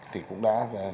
thì cũng đã